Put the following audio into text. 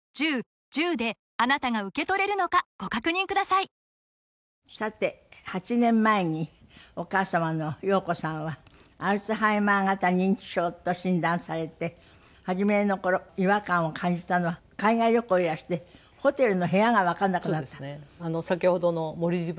さて８年前にお母様の洋子さんはアルツハイマー型認知症と診断されて初めの頃違和感を感じたのは海外旅行へいらしてホテルの部屋がわからなくなった。